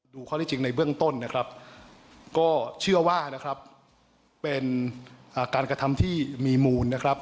ข้อที่จริงในเบื้องต้นนะครับก็เชื่อว่านะครับเป็นการกระทำที่มีมูลนะครับ